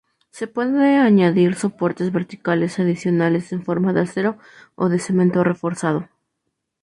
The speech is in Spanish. Se pueden añadir soportes verticales adicionales en forma de acero o de cemento reforzado.